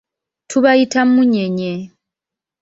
Tubayita munyenye.